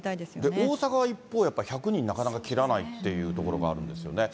大阪は一方、やっぱ１００人なかなか切らないっていうところがあるんですよね。